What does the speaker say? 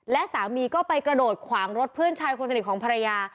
และสามีก็ไปกระโดดขวางรถเพื่อนชายคนสนิทของภรรยา